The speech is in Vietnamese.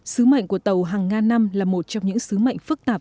sứ mệnh của tàu hàng nga năm là một trong những sứ mệnh phức tạp